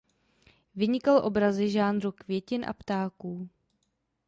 Vynikal obrazy žánru „květin a ptáků“.